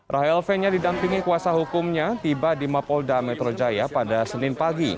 rahel fenya didampingi kuasa hukumnya tiba di mapolda metro jaya pada senin pagi